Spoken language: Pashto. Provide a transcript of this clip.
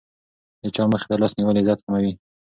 د چا مخې ته لاس نیول عزت کموي.